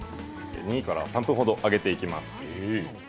２から３分ほど揚げていきます。